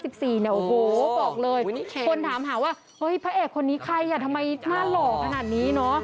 บอกเลยคนถามหาว่าพระเอกคนนี้ใครทำไมหน้าหล่อขนาดนี้